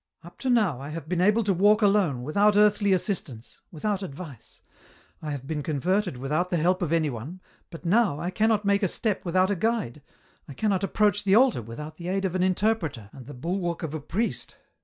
" Up to now I have been able to walk alone, without earthly assistance, without advice ; I have been converted without the help of anyone, but now I cannot make a step without a guide, I cannot approach the altar without the aid of an interpreter, and the bulwark of a priest."